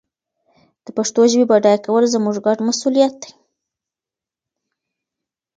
د پښتو ژبي بډایه کول زموږ ګډ مسؤلیت دی.